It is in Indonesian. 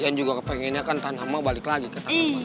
iyan juga kepengennya kan tanah emang balik lagi ke tanah emang